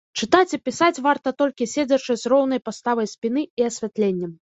Чытаць і пісаць варта толькі седзячы з роўнай паставай спіны і асвятленнем.